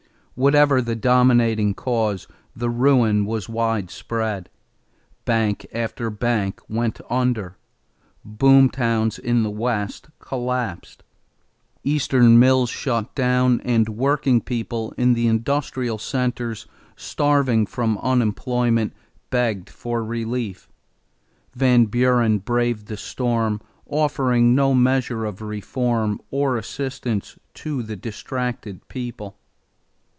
Whatever the dominating cause, the ruin was widespread. Bank after bank went under; boom towns in the West collapsed; Eastern mills shut down; and working people in the industrial centers, starving from unemployment, begged for relief. Van Buren braved the storm, offering no measure of reform or assistance to the distracted people.